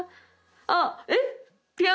あっえっ？